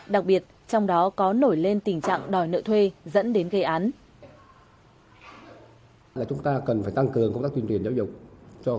đặc biệt trong đó có nổi lên tình trạng thương tích